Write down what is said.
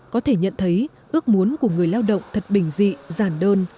có thể nhận thấy ước muốn của người lao động thật bình dị giản đơn